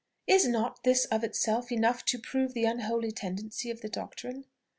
Is not this of itself enough to prove the unholy tendency of the doctrine?